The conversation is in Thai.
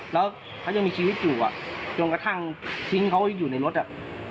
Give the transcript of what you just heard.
แล้วเขายังมีชีวิตอยู่อ่ะจนกระทั่งทิ้งเขาอยู่ในรถอ่ะ